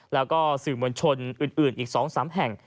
แล้วก็สื่อมวลชนอื่นอีก๒๓แห่ง